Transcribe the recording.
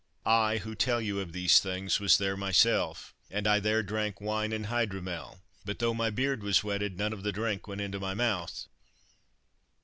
I, who tell you of these things, was there myself, and I there drank wine and hydromel, but, though my beard was wetted, none of the drink went into my mouth.